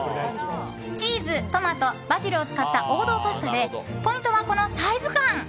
チーズ、トマト、バジルを使った王道パスタでポイントは、このサイズ感。